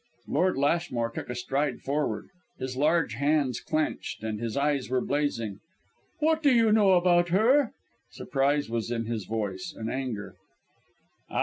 Lord Lashmore took a stride forward. His large hands clenched, and his eyes were blazing. "What do you know about her?" Surprise was in his voice, and anger.